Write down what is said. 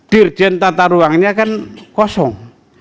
dirjen tata ruangnya kan kosong